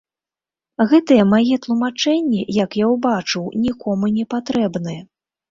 Гэтыя мае тлумачэнні, як я ўбачыў, нікому не патрэбны.